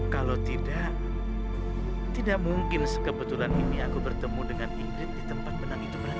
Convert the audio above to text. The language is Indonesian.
kalau tidak tidak mungkin sekebetulan ini aku bertemu dengan inggris di tempat benang itu berhenti